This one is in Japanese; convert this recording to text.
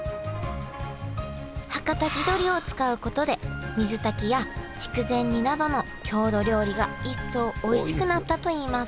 はかた地どりを使うことで水炊きや筑前煮などの郷土料理が一層おいしくなったといいます。